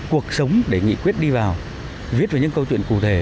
cuộc sống để nghị quyết đi vào viết về những câu chuyện cụ thể